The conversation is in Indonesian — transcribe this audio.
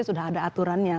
sudah ada aturannya